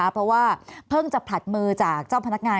เพราะว่าเพิ่งจะผลัดมือจากเจ้าพนักงาน